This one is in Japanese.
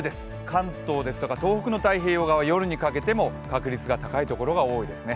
関東ですとか東北の太平洋側、夜にかけても確率が高いところが多いですね